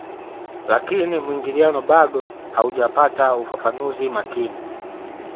Lakini muingiliano bado haujapata ufafanuzi makini